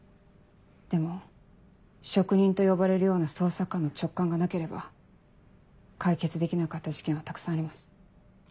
でも職人と呼ばれるような捜査官の直感がなければ解決できなかった事件はたくさんあります。